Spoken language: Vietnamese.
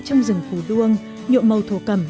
trong rừng phù đuông nhộn màu thổ cẩm